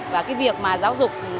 và cái việc mà giáo dục